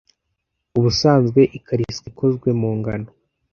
Ubusanzwe ikariso ikozwe mu ngano.